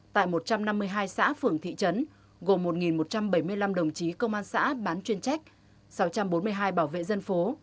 tại một trăm năm mươi hai xã phường thị trấn gồm một một trăm bảy mươi năm đồng chí công an xã bán chuyên trách sáu trăm bốn mươi hai bảo vệ dân phố